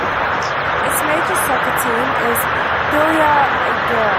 Its major soccer team is Thyella Aigeira.